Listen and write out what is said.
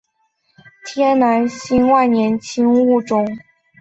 越南万年青为天南星科粗肋草属的植物。